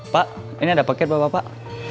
pak ini ada paket bapak